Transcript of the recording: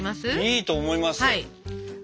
いいと思います。